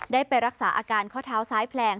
ได้ไปรักษาอาการข้อเท้าซ้ายแผลง